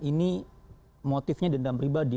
ini motifnya dendam pribadi